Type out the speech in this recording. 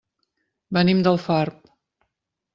Venim d'Alfarb.